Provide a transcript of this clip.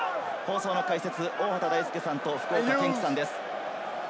解説は大畑大介さんと、福岡堅樹さんです。